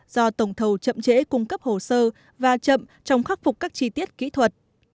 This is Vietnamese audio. do tổng thầu chậm trễ cung cấp hồ sơ và chậm trong khắc phục các chi tiết kỹ thuật